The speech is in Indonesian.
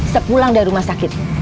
sepulang dari rumah sakit